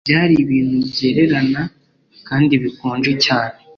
Byari ibintu byererana kandi bikonje cyane